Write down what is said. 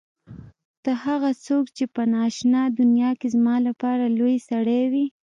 ته هغه څوک چې په نا آشنا دنیا کې زما لپاره لوى سړى وې.